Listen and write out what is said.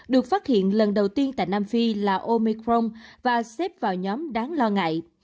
được phát hiện lần đầu tiên tại nam phi là omicron và xếp vào nhóm đáng lo ngại